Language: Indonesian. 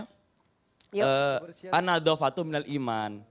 kebersihan sebagian dari iman